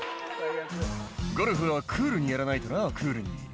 「ゴルフはクールにやらないとなクールに」